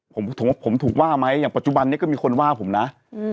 ผมว่าผมถูกว่าไหมอย่างปัจจุบันนี้ก็มีคนว่าผมนะ